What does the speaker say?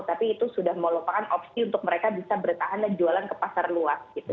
tapi itu sudah melupakan opsi untuk mereka bisa bertahan dan jualan ke pasar luas gitu